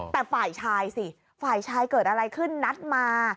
แต่ฝ่ายชายสิฝ่ายชายเกิดอะไรขึ้นนัดมา